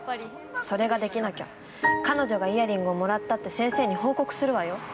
◆それができなきゃ彼女がイヤリングをもらったって、先生に報告するわよ。